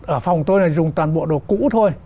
ở phòng tôi là dùng toàn bộ đồ cũ thôi